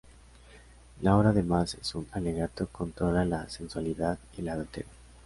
La obra además es un alegato contra la sensualidad y el adulterio.